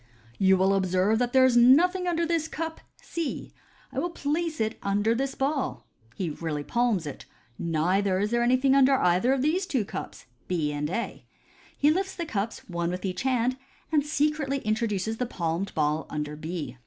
" You will observe that there is nothing under this cup (C). I will place under it this ball * (he really palms it) j " neither is there MODERN MAGIC. 283 anything under either of these two cups" (B and A). He lifts the cups one with each hand, and secretly introduces the palmed ball under B.